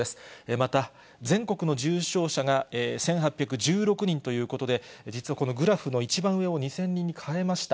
また、全国の重症者が１８１６人ということで、実はこのグラフの一番上を、２０００人に変えました。